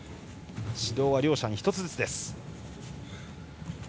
指導は両者に１つずつです。